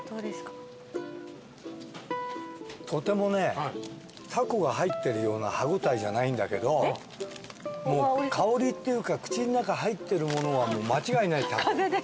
とてもねタコが入ってるような歯応えじゃないんだけど香りっていうか口の中に入ってるものは間違いないタコ。